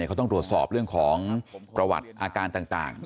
เขาต้องตรวจสอบเรื่องของประวัติอาการต่าง